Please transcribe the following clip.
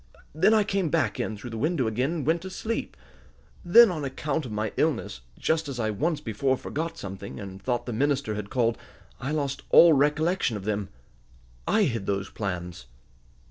Then I came back in through the window again, and went to sleep. Then, on account of my illness, just as I once before forgot something, and thought the minister had called, I lost all recollection of them. I hid those plans."